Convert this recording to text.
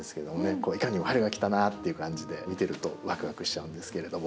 こういかにも春が来たなっていう感じで見てるとわくわくしちゃうんですけれども。